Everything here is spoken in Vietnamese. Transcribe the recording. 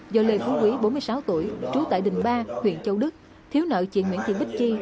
do lê phú quý bốn mươi sáu tuổi trú tại đình ba huyện châu đức thiếu nợ chị nguyễn thị bích chi